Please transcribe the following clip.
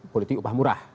politik upah murah